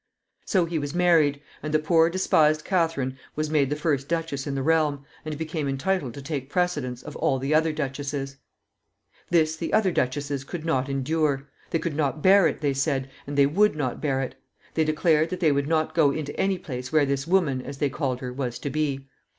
So he was married, and the poor despised Catharine was made the first duchess in the realm, and became entitled to take precedence of all the other duchesses. This the other duchesses could not endure. They could not bear it, they said, and they would not bear it. They declared that they would not go into any place where this woman, as they called her, was to be.